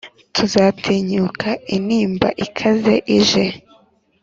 tuzatinyuka intimba ikaze ije,